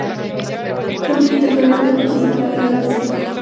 Fue un militar peruano que participó en la Guerra del Pacífico.